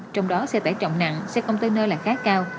trong đó xe tải trọng nặng xe container là khá cao